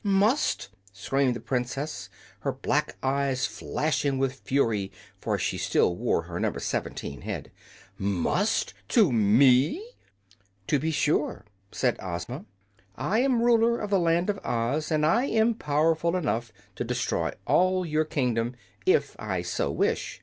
"Must!" screamed the Princess, her black eyes flashing with fury for she still wore her No. 17 head. "Must, to ME!" "To be sure," said Ozma. "I am Ruler of the Land of Oz, and I am powerful enough to destroy all your kingdom, if I so wish.